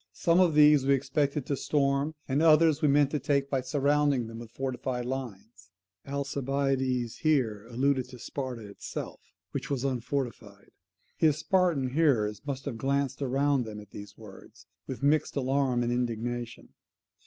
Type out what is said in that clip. Some of these we expected to storm and others we meant to take by surrounding them with fortified lines. [Alcibiades here alluded to Sparta itself, which was unfortified. His Spartan hearers must have glanced round them at these words, with mixed alarm and indignation.